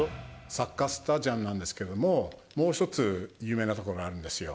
サッカースタジアムなんですけど、もう一つ、有名なところがあるんですよ。